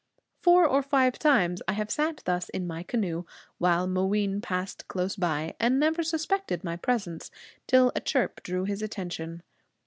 Four or five times I have sat thus in my canoe while Mooween passed close by, and never suspected my presence till a chirp drew his attention.